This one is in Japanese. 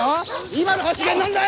今の発言何だよ！